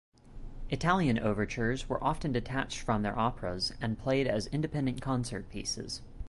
Italian overtures were often detached from their operas and played as independent concert pieces.